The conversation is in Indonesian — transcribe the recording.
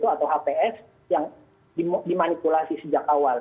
atau hps yang dimanipulasi sejak awal